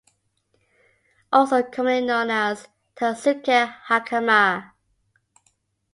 Also commonly known as tattsuke-hakama.